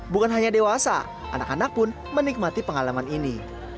bukan hanya dewasa anak anak pun menikmati pengalaman ini